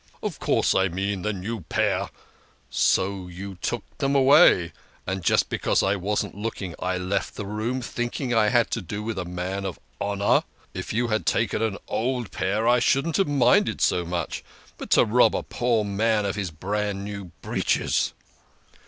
" Of course I mean the new pair ! And so you took them away ! Just because I wasn't looking. I left the room, thinking I had to do with a man of honour. If you had taken an old pair I shouldn't have minded so much ; but to rob a poor man of his brand new breeches